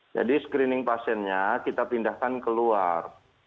jadi screening pasiennya kita pindahkan keluar